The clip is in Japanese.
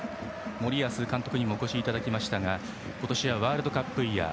森保監督にもお越しいただきましたが今年はワールドカップイヤー。